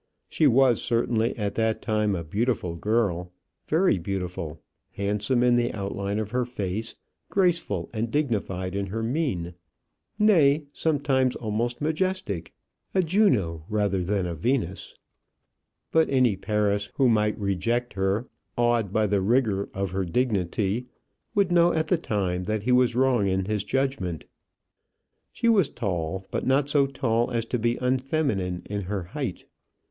She was certainly at that time a beautiful girl very beautiful, handsome in the outline of her face, graceful and dignified in her mien, nay, sometimes almost majestic a Juno rather than a Venus. But any Paris who might reject her, awed by the rigour of her dignity, would know at the time that he was wrong in his judgment. She was tall, but not so tall as to be unfeminine in her height.